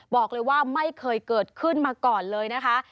บอกเลยว่าไม่เคยเกิดขึ้นมาก่อนเลยนะคะ